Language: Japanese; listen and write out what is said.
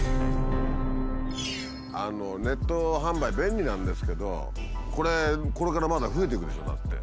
ネット販売便利なんですけどこれこれからまだ増えていくでしょう？だって。